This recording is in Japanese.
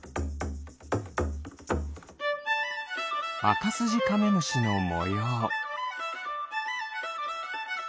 アカスジカメムシのもよう。